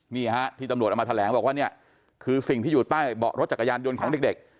นี่ฮะที่ตำรวจเอามาแถลงบอกว่าเนี่ยคือสิ่งที่อยู่ใต้เบาะรถจักรยานยนต์ของเด็ก